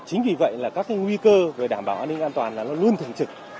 chính vì vậy là các nguy cơ về đảm bảo an ninh an toàn là luôn luôn thường trực